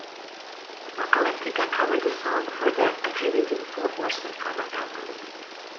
Apocalyptica covered the song for the "A Tribute to the Four Horsemen" cover album.